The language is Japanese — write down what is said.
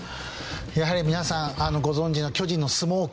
やはり皆さんご存じの巨人のスモーク。